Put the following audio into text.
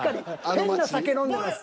変な酒飲んでます。